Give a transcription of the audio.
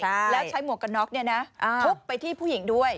แล้วใช้หมวกกันน็อกเนี่ยนะทุบไปที่ผู้หญิงด้วย